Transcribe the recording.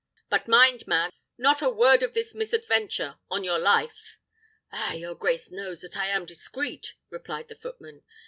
But mind, man; not a word of this misadventure, on your life!" "Ah! your grace knows that I am discreet," replied the footman.